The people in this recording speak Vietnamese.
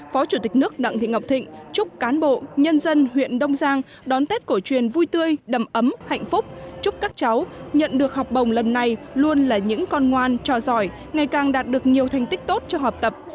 phó chủ tịch nước đặng thị ngọc thịnh chúc cán bộ nhân dân huyện đông giang đón tết cổ truyền vui tươi đầm ấm hạnh phúc chúc các cháu nhận được học bồng lần này luôn là những con ngoan trò giỏi ngày càng đạt được nhiều thành tích tốt cho học tập